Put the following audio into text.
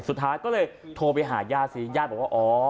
สุดท้ายก็เลยโทรไปหาญาติสิญาติบอกว่าอ๋อ